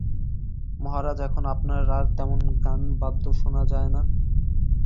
মহারাজ এখন আপনার আর তেমন গান বাদ্য শুনা যায় না।